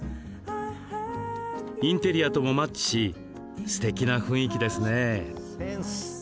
インテリアともマッチしすてきな雰囲気ですね。